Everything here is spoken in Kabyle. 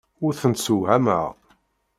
Ur tent-ssewhameɣ.